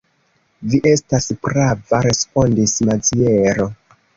Vi estas prava, respondis Maziero.